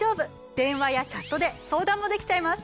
電話やチャットで相談もできちゃいます。